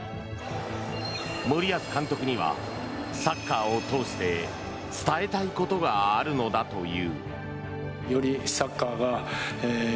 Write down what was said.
森保監督にはサッカーを通して伝えたいことがあるのだという。